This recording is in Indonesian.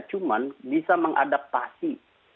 cuman bisa mengadaptasi